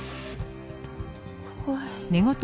怖い。